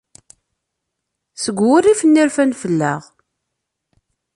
Seg wurrif-nni i rfan fell-aɣ.